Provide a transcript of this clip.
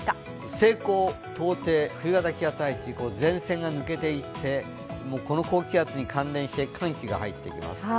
西高東低、冬型気圧配置、前線が抜けていってこの高気圧に関連して寒気が入ってきます。